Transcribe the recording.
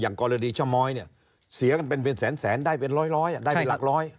อย่างกอลลาดีชม้อยเนี่ยเสียกันเป็นเป็นแป็นแสนแสนได้เป็นร้อยได้เป็นหลักร้อย